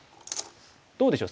どうでしょう？